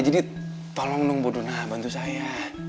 jadi tolong dong bu dona bantu saya